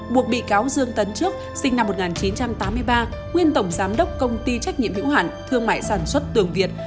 buộc bị cáo dương tấn trước sinh năm một nghìn chín trăm tám mươi ba nguyên tổng giám đốc công ty trách nhiệm hữu hạn thương mại sản xuất tường việt